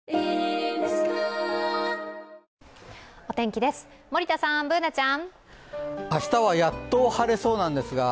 お天気です。